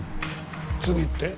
次って？